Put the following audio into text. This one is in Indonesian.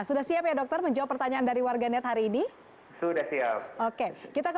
sudah siap ya dokter menjawab pertanyaan dari warganet hari ini sudah siap oke kita ke